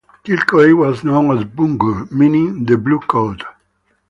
Kilcoy was known as Bumgur, meaning the 'blue cod'.